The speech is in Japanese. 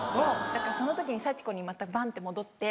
だからその時にサチコにまたバンって戻って。